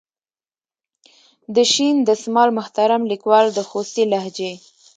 د شین دسمال محترم لیکوال د خوستي لهجې.